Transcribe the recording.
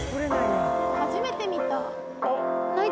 初めて見た。